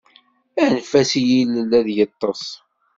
Anef-as i yilel ad yeṭṭes.